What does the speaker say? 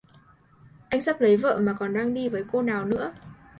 Anh sắp lấy vợ mà còn đang đi với cô nào nữa